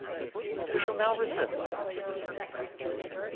We shall now return to our chapter.